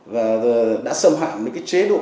và đã xâm hạm chế độ